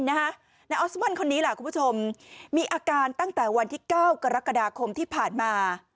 นายออสมอนคนนี้ล่ะคุณผู้ชมมีอาการตั้งแต่วันที่๙กรกฎาคมที่ผ่านมา